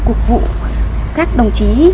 cuộc vụ các đồng chí